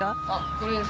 これです。